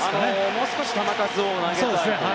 もう少し球数を投げたいという。